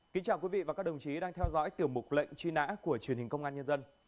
kính chào quý vị và các đồng chí đang theo dõi tiểu mục lệnh truy nã của truyền hình công an nhân dân